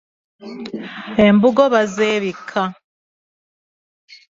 Embugo bazeebikka.